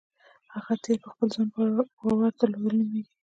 هغه تیل په خپل ځان باور درلودل نومېږي.